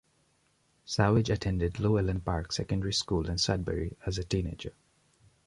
Savage attended Lo-Ellen Park Secondary School in Sudbury as a teenager.